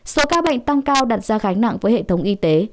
số ca bệnh tăng cao đặt ra gánh nặng với hệ thống y tế